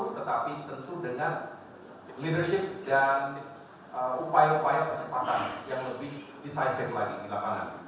tetapi tentu dengan leadership dan upaya upaya percepatan yang lebih decisive lagi di lapangan